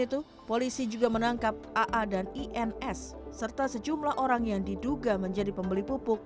itu polisi juga menangkap aa dan ins serta sejumlah orang yang diduga menjadi pembeli pupuk